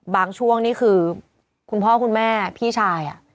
ช่วงนี่คือคุณพ่อคุณแม่พี่ชาย